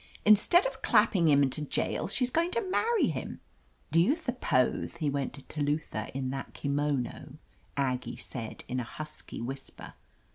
"Instead of clapping him into jail, she's going to marry him !" "Do you thuppoth he went to Telutha in that kimono ?" Aggie said in a husky whisper.